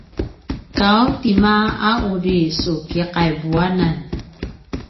’aw tima a uri su ki’aivuanan?